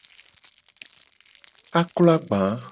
Aklo agba.